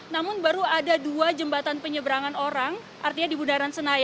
namun baru ada dua jembatan penyeberangan orang artinya di bundaran senayan